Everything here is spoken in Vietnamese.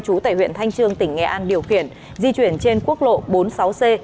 chú tại huyện thanh trương tỉnh nghệ an điều khiển di chuyển trên quốc lộ bốn mươi sáu c